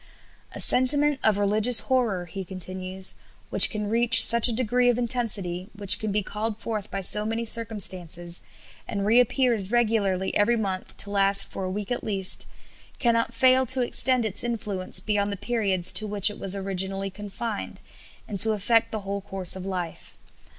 "A sentiment of religious horror," he continues, "which can reach such a degree of intensity, which can be called forth by so many circumstances, and reappears regularly every month to last for a week at least, cannot fail to extend its influence beyond the periods to which it was originally confined, and to affect the whole course of life.